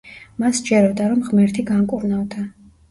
მას სჯეროდა, რომ ღმერთი განკურნავდა.